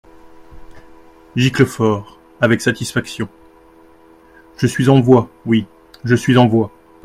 Giclefort, avec satisfaction. — Je suis en voix ! oui, je suis en voix.